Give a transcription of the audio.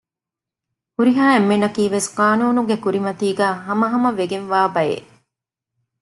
ހުރިހާ އެންމެންނަކީވެސް ޤާނޫނުގެ ކުރިމަތީގައި ހަމަހަމަވެގެންވާ ބައެއް